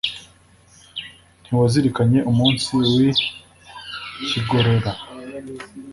ntiwazirikanye umunsi w’i kigorora.